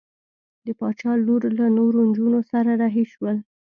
د باچا لور له نورو نجونو سره رهي شول.